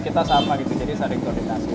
kita sama gitu jadi saya rekodinasi